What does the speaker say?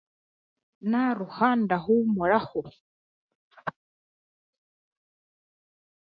Naaruha ndahuumuraho.